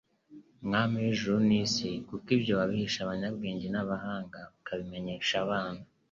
mwami w'ijthu n'isi, kuko ibyo wabihishe abanyabwenge n'abahanga, ukabimenyesha abana.